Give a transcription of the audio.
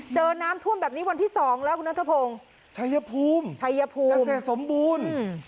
เจอน้ำท่วมแบบนี้วันที่สองแล้วคุณน้ำทะพงชายภูมิชายภูมิกาเศษสมบูรณ์